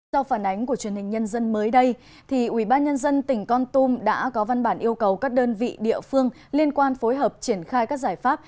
sau phản ánh của truyền hình nhân dân mới đây ubnd tỉnh con tum đã có văn bản yêu cầu các đơn vị địa phương liên quan phối hợp triển khai các giải pháp